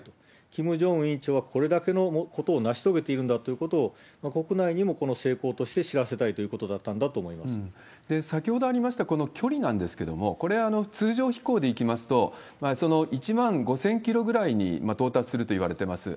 キム・ジョンウン委員長はこれだけのことを成し遂げているんだということを、国内にもこの成功として知らせたいということだった先ほどありました、この距離なんですけれども、これは通常飛行でいきますと、１万５０００キロぐらいに到達するといわれています。